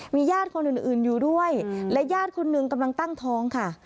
มีญาติคนอื่นอยู่ด้วยและญาติคนหนึ่งกำลังตั้งท้องค่ะ